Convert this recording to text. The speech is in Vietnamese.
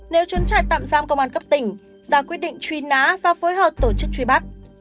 nếu trốn trại tạm giam công an cấp tỉnh ra quyết định trùy ná và phối hợp tổ chức trùy bắt